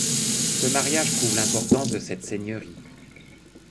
Ce mariage prouve l'importance de cette seigneurie.